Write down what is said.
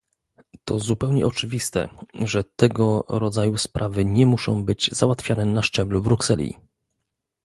To zupełnie oczywiste, że tego rodzaju sprawy nie muszą być załatwiane na szczeblu Brukseli